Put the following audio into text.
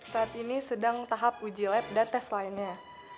saat ini sedang tahap uji lab dan tes lainnya